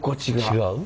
違う？